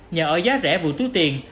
nhà ở giá rẻ vụ tiếu tiền